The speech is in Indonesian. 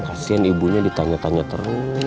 kasian ibunya ditanya tanya terus